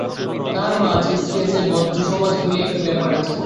তাহার মা আছে, স্ত্রী আছে, ভদ্রসমাজ বলিয়া একটা ব্যাপার আছে।